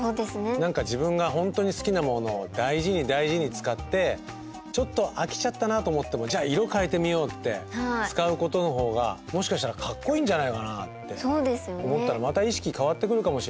何か自分が本当に好きなものを大事に大事に使ってちょっと飽きちゃったなと思ってもじゃあ色をかえてみようって使うことのほうがもしかしたらかっこいいんじゃないかなって思ったらまた意識変わってくるかもしれないね。